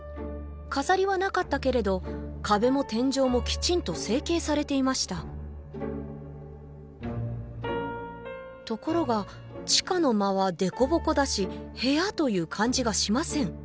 飾りはなかったけれど壁も天井もきちんと整形されていましたところが地下の間はデコボコだし部屋という感じがしません